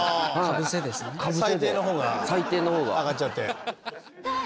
ああ「最低」の方が上がっちゃって。